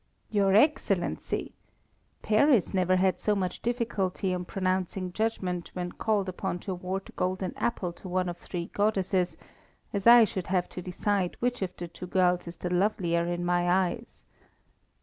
"Your Excellency! Paris never had so much difficulty in pronouncing judgment when called upon to award the golden apple to one of three goddesses, as I should have to decide which of the two girls is the lovelier in my eyes.